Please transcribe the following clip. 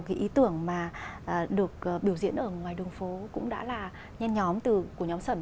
cái ý tưởng mà được biểu diễn ở ngoài đường phố cũng đã là nhân nhóm của nhóm sẩm